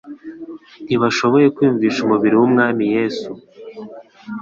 Ntibashoboye kwiyumvisha umubiri w'Umwami Yesu.